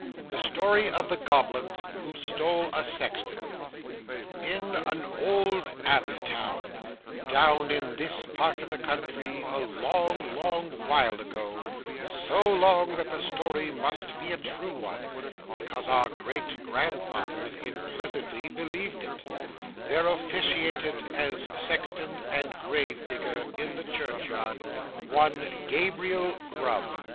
THE STORY OF THE GOBLINS WHO STOLE A SEXTON 'In an old abbey town, down in this part of the country, a long, long while ago so long, that the story must be a true one, because our great grandfathers implicitly believed it there officiated as sexton and grave digger in the churchyard, one Gabriel Grub.